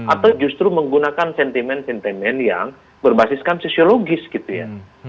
atau justru menggunakan sentimen sentimen yang berbasiskan sosiologis gitu ya